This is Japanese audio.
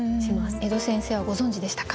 江戸先生はご存じでしたか？